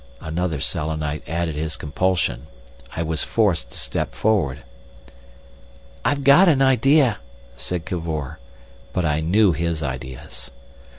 Another Selenite added his compulsion. I was forced to step forward. "I've got an idea," said Cavor; but I knew his ideas.